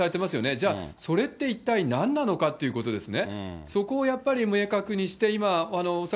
じゃあ、それって一体なんなのかということですね。